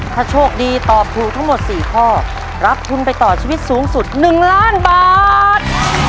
ถ้าโชคดีตอบถูกทั้งหมด๔ข้อรับทุนไปต่อชีวิตสูงสุด๑ล้านบาท